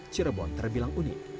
cirebon terbilang unik